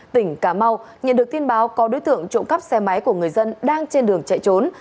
tỉnh cà mau nhận được tin báo có đối tượng trộm cắp xe máy của người dân đang trên đường chạy trốn